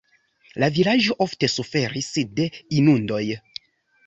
La vilaĝo ofte suferis de inundoj.